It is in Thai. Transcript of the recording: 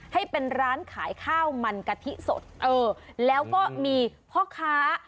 ให้เป็นร้านขายข้าวมันกะทิสดเออแล้วก็มีพ่อค้า